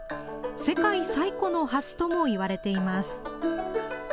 世界最古のハスとも言われています。